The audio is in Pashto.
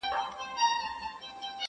o مرگ په ماړه نس خوند کوي٫